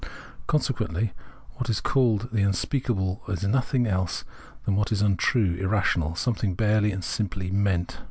Con sequently what is called mispeakable is nothing else than what is untrue, irrational, something barely and simply " meant."